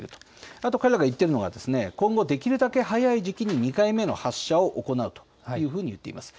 あと彼らが言っているのは、今後、できるだけ早い時期に２回目の発射を行うというふうに言っています。